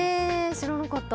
知らなかった！